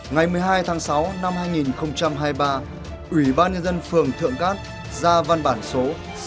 ngày một mươi hai tháng sáu năm hai nghìn hai mươi ba ủy ban nhân dân phường thượng cát ra văn bản số sáu trăm bốn mươi ba